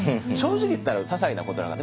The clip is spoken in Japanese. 正直言ったらささいなこと。